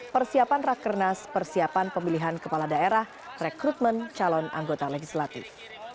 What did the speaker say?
persiapan rakernas persiapan pemilihan kepala daerah rekrutmen calon anggota legislatif